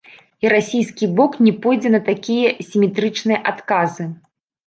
І расійскі бок не пойдзе на такія сіметрычныя адказы.